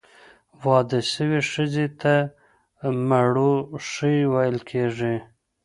واده سوي ښځي ته، مړوښې ویل کیږي.